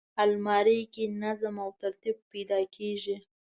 الماري کې نظم او ترتیب پیدا کېږي